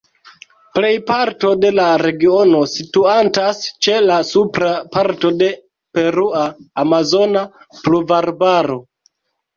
Plej parto de la regiono situantas ĉe la supra parto de perua Amazona Pluvarbaro.